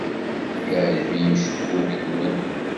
Yeɛjeb-iyi ucebbub-nwen.